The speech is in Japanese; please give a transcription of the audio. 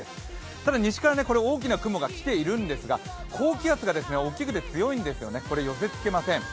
ただ西から大きな雲が来ているんですが、高気圧が大きくて強いんですよね寄せつけません。